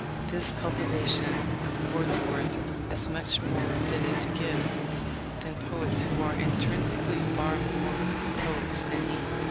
This cultivation Wordsworth is much more fitted to give, than poets who are intrinsically far more poets than he.